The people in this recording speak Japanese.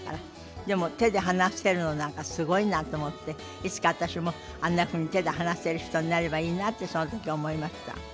でも手で話せるのなんかすごいなと思っていつか私もあんなふうに手で話せる人になればいいなとその時思いました。